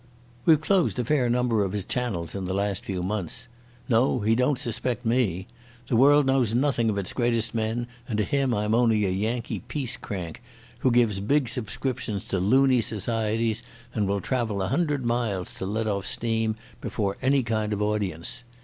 "We've closed a fair number of his channels in the last few months. No, he don't suspect me. The world knows nothing of its greatest men, and to him I'm only a Yankee peace crank, who gives big subscriptions to loony societies and will travel a hundred miles to let off steam before any kind of audience.